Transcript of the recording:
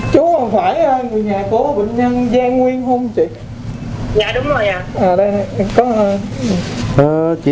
chú còn phải người nhà của bệnh nhân giang nguyên không chị